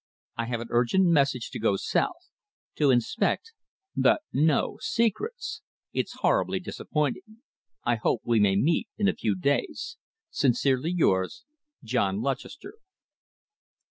I have an urgent message to go south; to inspect but no secrets! It's horribly disappointing. I hope we may meet in a few days. Sincerely yours, JOHN LUTCHESTER.